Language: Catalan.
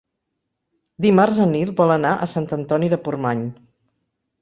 Dimarts en Nil vol anar a Sant Antoni de Portmany.